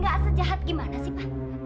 nggak sejahat apa yang mama pikirkan pa